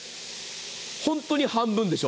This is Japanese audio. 本当に半分でしょ。